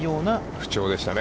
不調でしたね。